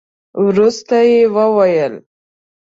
وروسته يې وويل.